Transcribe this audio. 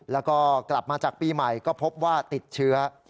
แล้วก็กลับมาจากปีใหม่ก็พบว่าติดเชื้อ